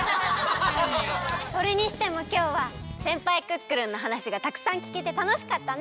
それにしてもきょうはせんぱいクックルンのはなしがたくさんきけてたのしかったね！